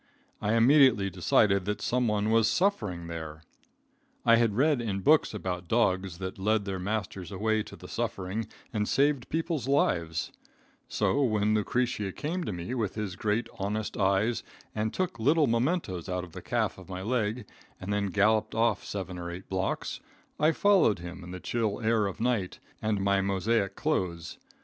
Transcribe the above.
I immediately decided that some one was suffering there. I had read in books about dogs that led their masters away to the suffering and saved people's lives; so, when Lucretia came to me with his great, honest eyes and took little mementoes out of the calf of my leg, and then galloped off seven or eight blocks, I followed him in the chill air of night and my Mosaic clothes.